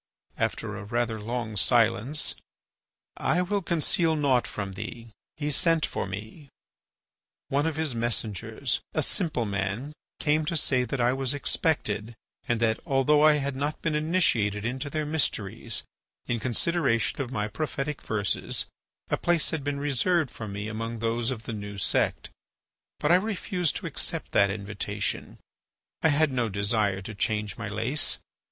After a rather long silence: "I will conceal nought from thee. He sent for me; one of his messengers, a simple man, came to say that I was expected, and that, although I had not been initiated into their mysteries, in consideration of my prophetic verses, a place had been reserved for me among those of the new sect. But I refused to accept that invitation; I had no desire to change my place.